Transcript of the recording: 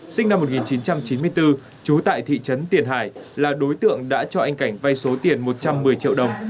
sinh năm một nghìn chín trăm chín mươi bốn trú tại thị trấn tiền hải là đối tượng đã cho anh cảnh vay số tiền một trăm một mươi triệu đồng